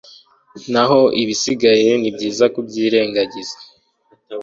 naho ibisigaye nibyiza kubyirengagiza